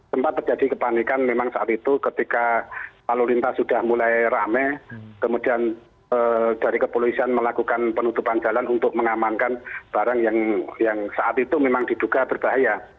sempat terjadi kepanikan memang saat itu ketika lalu lintas sudah mulai rame kemudian dari kepolisian melakukan penutupan jalan untuk mengamankan barang yang saat itu memang diduga berbahaya